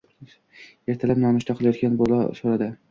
Ertalab nonushta qilayotgan bola soʻradi.